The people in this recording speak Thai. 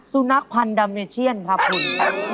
สุนัขพันธ์ดัมเมเชียนครับคุณ